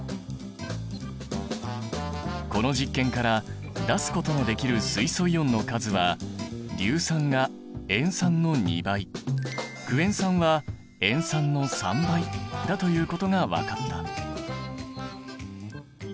この実験から出すことのできる水素イオンの数は硫酸が塩酸の２倍クエン酸は塩酸の３倍だということが分かった。